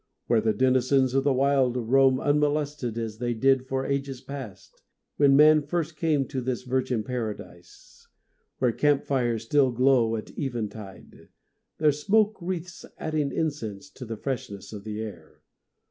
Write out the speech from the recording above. Where the denizens of the wild roam unmolested as they did for ages past, when man first came to this Virgin Paradise. Where camp fires still glow at eventide,—their smoke wreaths adding incense to the freshness of the air.